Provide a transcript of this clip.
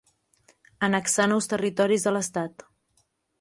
Annexar nous territoris a l'estat.